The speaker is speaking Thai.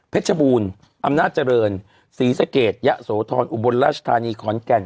บูรณ์อำนาจเจริญศรีสะเกดยะโสธรอุบลราชธานีขอนแก่น